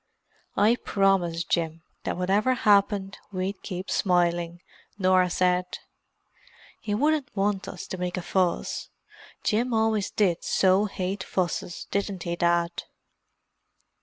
"I promised Jim that whatever happened we'd keep smiling," Norah said. "He wouldn't want us to make a fuss. Jim always did so hate fusses, didn't he, Dad?"